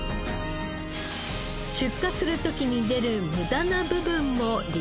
出荷する時に出る無駄な部分も利用しました。